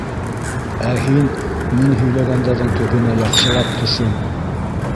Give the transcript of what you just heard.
Ә һин мин һөйләгәндәрҙең төбөнә яҡшылап төшөн.